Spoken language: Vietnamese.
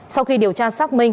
sau khi điều tra xác minh